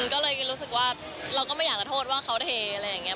ก็เลยรู้สึกว่าเราก็ไม่อยากจะโทษว่าเขาเทอะไรอย่างนี้